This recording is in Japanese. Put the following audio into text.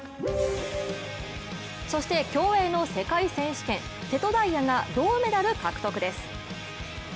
そして競泳の世界選手権瀬戸大也が銅メダル獲得です。